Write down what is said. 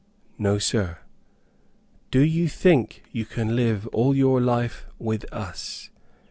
"No Sir." "Do you think you can live all your life with us."